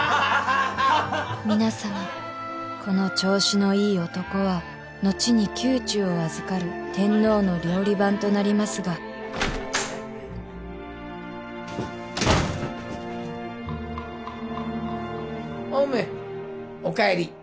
皆様この調子のいい男は後に宮中を預かる天皇の料理番となりますがお梅お帰り